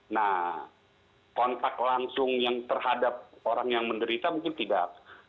nah kontak langsung yang terhadap orang yang menderita mungkin tidak